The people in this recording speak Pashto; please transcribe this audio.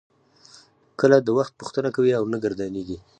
کله د وخت پوښتنه کوي او نه ګردانیږي.